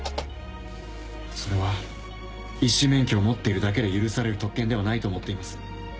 それは医師免許を持っているだけで許される特権ではないと思っています。